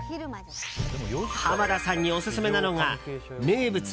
濱田さんにオススメなのが名物！